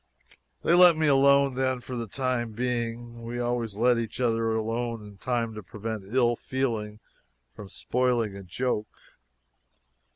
They let me alone then for the time being. We always let each other alone in time to prevent ill feeling from spoiling a joke.